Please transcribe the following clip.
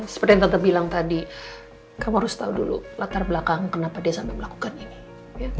seperti yang tata bilang tadi kamu harus tahu dulu latar belakang kenapa dia sampai melakukan ini